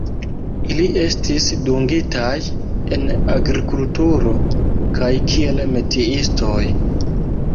Ili estis dungitaj en agrikulturo kaj kiel metiistoj.